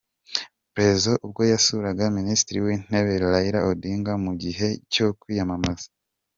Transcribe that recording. Prezzo ubwo yasuraga Minisitiri w'Intebe Raila Odinga mu gihe cyo kwiyamamaza.